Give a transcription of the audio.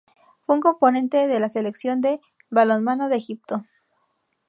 Fue un componente de la selección de balonmano de Egipto.